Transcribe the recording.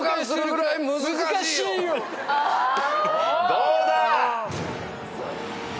どうだ？